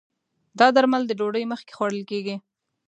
دا درمل د ډوډی مخکې خوړل کېږي